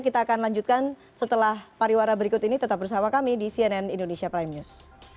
kita akan lanjutkan setelah pariwara berikut ini tetap bersama kami di cnn indonesia prime news